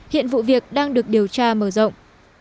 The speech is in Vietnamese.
hiện vụ việc đang được điều tra mở rộng